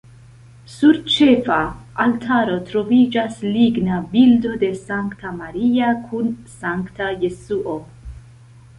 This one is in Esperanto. Sur ĉefa altaro troviĝas ligna bildo de Sankta Maria kun sankta Jesuo.